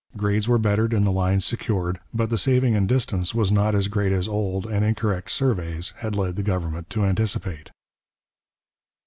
Grades were bettered in the lines secured, but the saving in distance was not as great as old and incorrect surveys had led the government to anticipate.